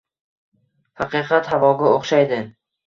Haqiqat havoga o‘xshaydi.